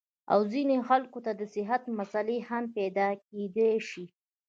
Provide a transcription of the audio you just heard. او ځينې خلکو ته د صحت مسئلې هم پېدا کېدے شي -